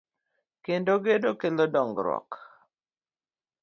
Kendo gedo kelo dongr